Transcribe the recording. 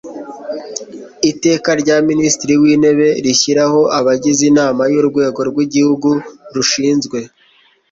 Iteka rya Minisitiri w Intebe rishyiraho abagize Inama y Urwego rw Igihugu rushinzwe